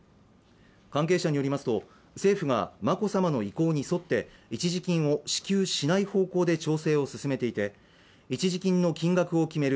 関係者によりますと、政府が眞子さまの意向に沿って一時金を支給しない方向で調整を進めていて、一時金の金額を決める